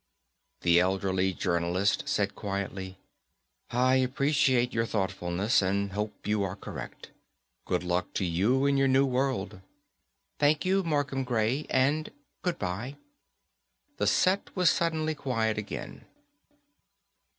_ The elderly journalist said quietly, "I appreciate your thoughtfulness and hope you are correct. Good luck to you in your new world." Thank you, Markham Gray, and goodbye. The set was suddenly quiet again.